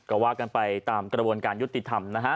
ก็ว่ากันไปตามกระบวนการยุติธรรมนะฮะ